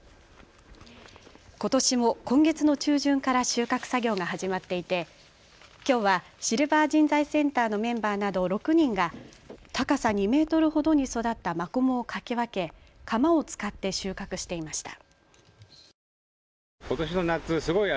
ことしも今月の中旬から収穫作業が始まっていてきょうはシルバー人材センターのメンバーなど６人が高さ２メートルほどに育ったマコモをかき分け鎌を使って収穫していました。